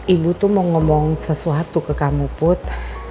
ibu tuh mau ngomong sesuatu ke kamu put